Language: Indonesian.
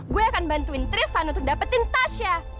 gue akan bantuin tristan untuk dapetin tasya